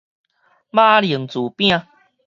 馬鈴薯餅